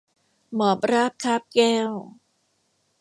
หมอบราบคาบแก้ว